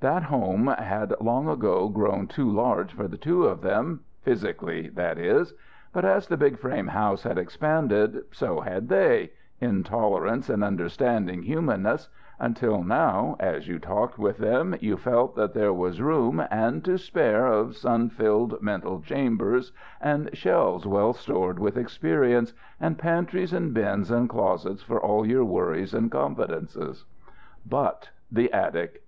That home had long ago grown too large for the two of them physically, that is. But as the big frame house had expanded, so had they intolerance and understanding humanness until now, as you talked with them, you felt that there was room and to spare of sun filled mental chambers, and shelves well stored with experience, and pantries and bins and closets for all your worries and confidences. But the attic!